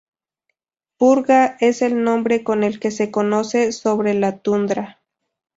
Purga es el nombre con el que se conoce sobre la tundra.